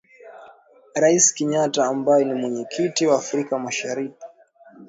Rais Kenyatta ambaye ni Mwenyekiti wa Afrika Mashariki